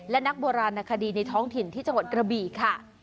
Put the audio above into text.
และนักโบราณคดีในท้องถิ่นที่จังหวัดกระบี่ค่ะ